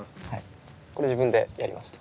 これ自分でやりました。